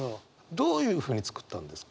どういうふうに作ったんですか？